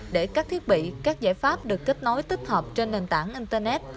để các thiết bị các giải pháp được kết nối tích hợp trên nền tảng internet